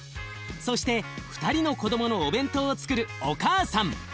そして２人の子どものお弁当をつくるお母さん。